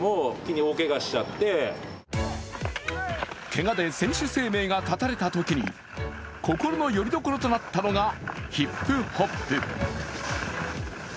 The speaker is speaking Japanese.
けがで選手生命が絶たれたときに、心のよりどころとなったのがヒップホップ。